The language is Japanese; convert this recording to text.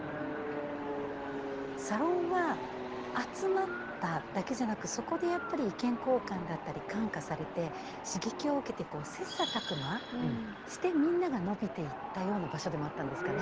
サロンは集まっただけじゃなくそこでやっぱり意見交換だったりみんなが伸びていったような場所でもあったんですかね。